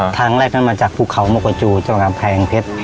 ทางแรกนั้นมาจากภูเขามกจูเจ้างามแพ้แห่งเพชร